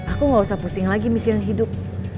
aku gak usah pusing lagi miskin hidup